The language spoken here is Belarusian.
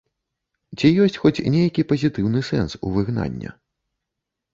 Ці ёсць хоць нейкі пазітыўны сэнс у выгнання?